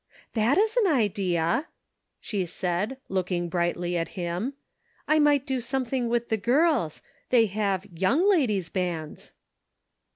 " That is an idea !" she said, looking brightly at him. "I might do something with the girls ; they have Young Ladies' Bands."